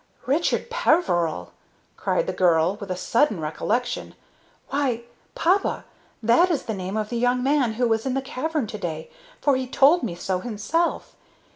"Richard Peveril!" cried the girl, with a sudden recollection; "why, papa, that is the name of the young man who was in the cavern to day, for he told me so himself.